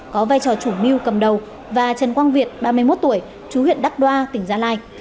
có vai trò chủ mưu cầm đầu và trần quang việt ba mươi một tuổi chú huyện đắc đoa tỉnh gia lai